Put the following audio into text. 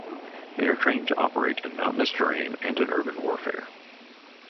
They are trained to operate in mountainous terrain and in urban warfare.